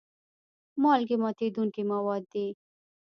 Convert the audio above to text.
مالګې ماتیدونکي مواد دي.